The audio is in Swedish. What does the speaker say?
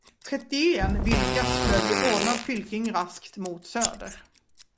Trettien vildgäss flög i ordnad fylking raskt mot söder.